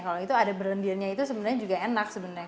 kalau itu ada berlendirnya itu sebenarnya juga enak sebenarnya